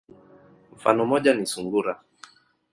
Mfano moja ni sungura.